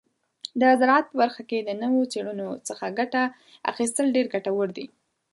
د زراعت په برخه کې د نوو څیړنو څخه ګټه اخیستل ډیر ګټور دي.